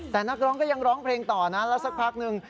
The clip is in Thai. แต่นักร้องก็ยังร้องเพลงต่อนะแล้วสักพักนึง